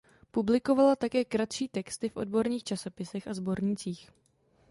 Publikovala také kratší texty v odborných časopisech a sbornících.